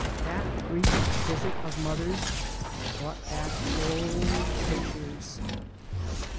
That brief visit of mother's brought back old pictures.